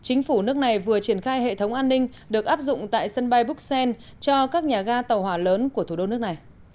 bộ trưởng nội vụ bỉ jean jambon đã yêu cầu triển khai hệ thống an ninh được áp dụng tại sân bay buxen